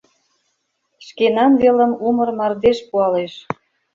Шкенан велым умыр мардеж пуалеш.